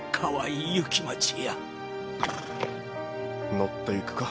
乗っていくか？